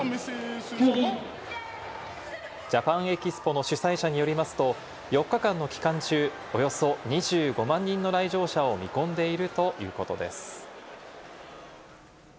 ジャパンエキスポの主催者によりますと、４日間の期間中、およそ２５万人の来場者を見込んでいるということです。